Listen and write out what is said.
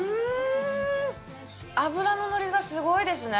脂の乗りがすごいですね。